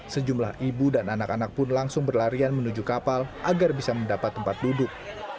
sejumlah ibu dan anak anak pun langsung berlarian menuju kapal agar bisa mendapat tempat duduk